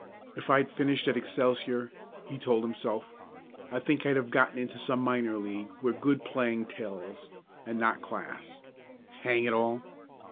"If I'd finished at Excelsior," he told himself, "I think I'd have gotten into some minor league where good playing tells, and not class. Hang it all!"